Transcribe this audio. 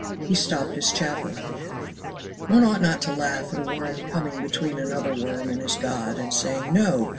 He stopped his chapel. One ought not to laugh at a worm coming between another worm and his God and saying, "No!